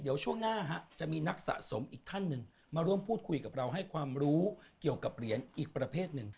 เดี๋ยวช่วงหน้าจะมีนักสะสมอีกท่านหนึ่งมาร่วมพูดคุยกับเราให้ความรู้เกี่ยวกับเหรียญอีกประเภทหนึ่ง